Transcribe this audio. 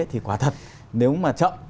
thì quả thật nếu mà chậm